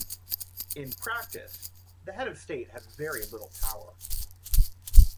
In practice, the Head of State had very little power.